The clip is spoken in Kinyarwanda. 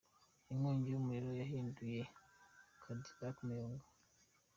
Inkongi y’umuriro yahinduye kadillake umuyonga